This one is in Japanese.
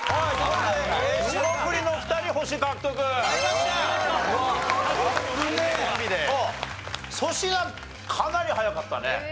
粗品かなり早かったね。